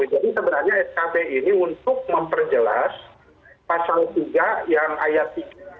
jadi sebenarnya skb ini untuk memperjelas pasang tiga yang ayat tiga